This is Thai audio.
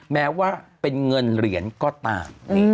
แม้ว่าเป็นเงินเหรียญก็ตาม